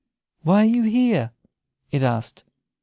"Why are you here?" it asked.